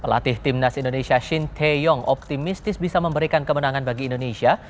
pelatih timnas indonesia shin tae yong optimistis bisa memberikan kemenangan bagi indonesia